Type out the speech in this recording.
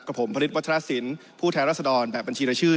กับผมพระฤทธิ์วัชฌาสินทร์ผู้แท้รัศดรแบบบัญชีราชื่อ